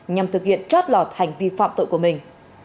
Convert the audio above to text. nhằm thực hiện trót lọt hành vi phạm tội của mình